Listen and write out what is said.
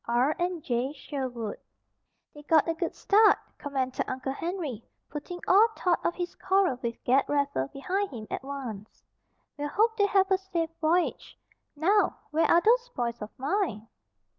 R. and J. Sherwood." "They got a good start," commented Uncle Henry, putting all thought of his quarrel with Ged Raffer behind him at once. "We'll hope they have a safe voyage. Now! Where are those boys of mine?"